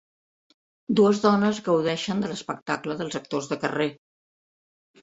Dues dones gaudeixen de l'espectacle dels actors de carrer.